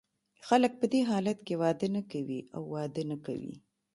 خلګ په دې حالت کې واده نه کوي او واده نه کوي.